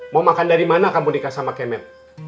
mau makan dari mana kamu nikah sama kemet